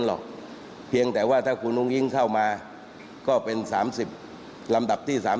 หรอกเพียงแต่ว่าถ้าคุณอุ้งอิงเข้ามาก็เป็น๓๐ลำดับที่๓๐